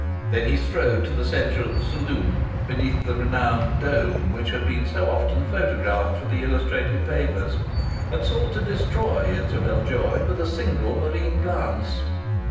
Then he strode to the centre of the saloon, beneath the renowned dome which has been so often photographed for the illustrated papers, and sought to destroy Isabel Joy with a single marine glance.